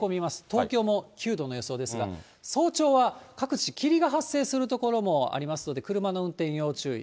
東京も９度の予想ですが、早朝は各地、霧が発生する所もありますので、車の運転、要注意。